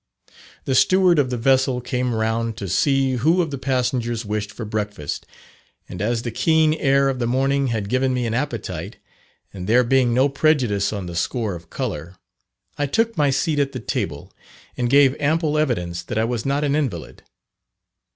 The steward of the vessel came round to see who of the passengers wished for breakfast, and as the keen air of the morning had given me an appetite, and there being no prejudice on the score of colour, I took my seat at the table and gave ample evidence that I was not an invalid.